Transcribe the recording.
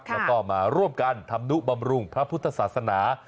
แล้วก็มาร่วมกันทำนุบำรุงพระพุทธศาสนา